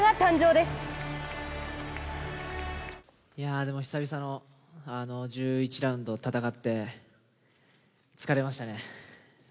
でも久々の１１ラウンド戦って疲れましたね。